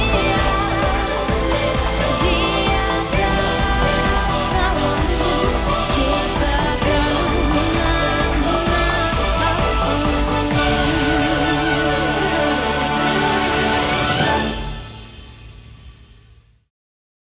di atas seluruh kita dengan mengatakan